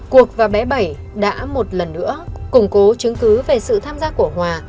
cuộc và bé bảy đã một lần nữa củng cố chứng cứ về sự tham gia của hòa